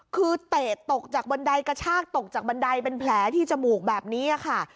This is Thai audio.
คือเตะตกจากบันไดกระชากตกจากบันไดเป็นแผลที่จมูกแบบนี้ค่ะ